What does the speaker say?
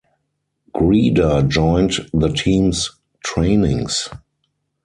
Grieder joined the team’s trainings.